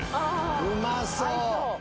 うまそう！